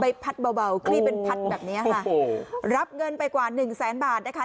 ไปพัดเบาคลีมเป็นพัดแบบนี้ค่ะรับเงินไปกว่าหนึ่งแสนบาทนะคะ